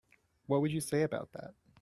What would you say about that?